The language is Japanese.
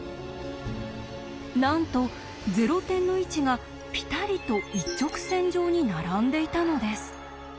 なんとゼロ点の位置がピタリと一直線上に並んでいたのです。